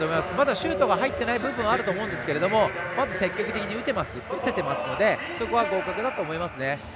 シュートが入っていない部分はあると思いますが積極的に打てていますのでそこは互角だと思いますね。